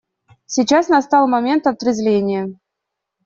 Сейчас настал момент отрезвления.